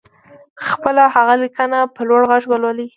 خپله هغه ليکنه په لوړ غږ ولولئ.